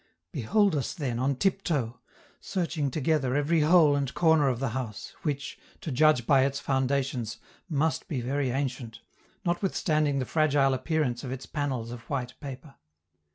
Behold us, then, on tiptoe, searching together every hole and corner of the house, which, to judge by its foundations, must be very ancient, notwithstanding the fragile appearance of its panels of white paper.